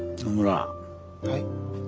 はい？